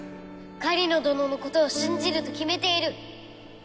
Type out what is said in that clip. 狩野どのの事を信じると決めている。